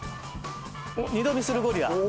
二度見するゴリラ。